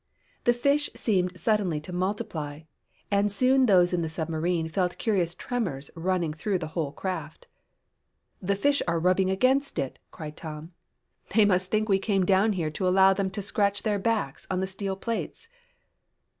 The fish seemed suddenly to multiply, and soon those in the submarine felt curious tremors running through the whole craft. "The fish are rubbing up against it," cried Tom. "They must think we came down here to allow them to scratch their backs on the steel plates."